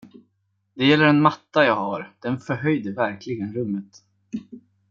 Det gäller en matta jag har, den förhöjde verkligen rummet.